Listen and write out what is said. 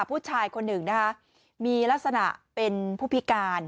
ผู้ชายคนหนึ่งนะคะมีลักษณะเป็นผู้พิการ